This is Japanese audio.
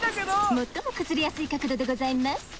最も崩れやすい角度でございます。